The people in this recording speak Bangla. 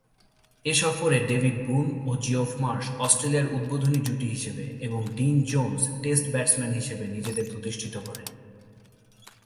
এ সফরে ডেভিড বুন ও জিওফ মার্শ অস্ট্রেলিয়ার উদ্বোধনী জুটি হিসেবে এবং ডিন জোন্স টেস্ট ব্যাটসম্যান হিসেবে নিজেদের প্রতিষ্ঠিত করেন।